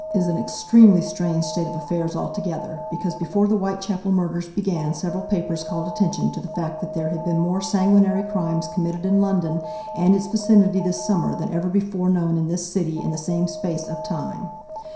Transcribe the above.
It is an extremely strange state of affairs altogether, because before the Whitechapel murders began several papers called attention to the fact that there have been more sanguinary crimes committed in London and its vicinity this Summer than ever before known in this city in the same space of time.